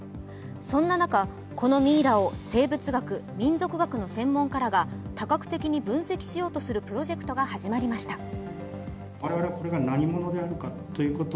そんな中、このミイラを生物学・民俗学の専門家らが多角的に分析しようとするプロジェクトが始まりました。